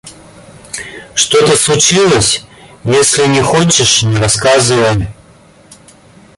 Что-то случилось? Если не хочешь, не рассказывай.